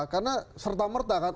karena serta merta kan